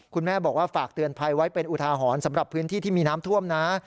คุณแม่บอกว่าฝากเตือนภัยไว้เป็นอุทาหรณ์สำหรับพื้นที่ที่มีน้ำท่วมนะ